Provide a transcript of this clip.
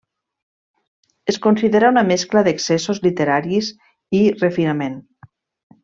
Es considera una mescla d'excessos literaris i refinament.